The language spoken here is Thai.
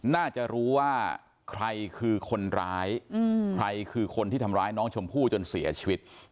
น่าจะรู้ว่าใครคือคนร้ายใครคือคนที่ทำร้ายน้องชมพู่จนเสียชีวิต